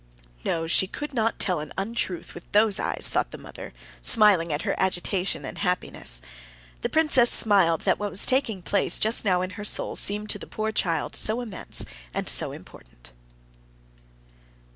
"No, she could not tell an untruth with those eyes," thought the mother, smiling at her agitation and happiness. The princess smiled that what was taking place just now in her soul seemed to the poor child so immense and so important.